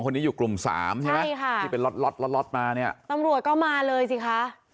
อยู่กลุ่มสามใช่ไหมใช่ค่ะที่เป็นล็อตล็อตมาเนี่ยตำรวจก็มาเลยสิคะ